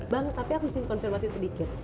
bang tapi aku ingin konfirmasi sedikit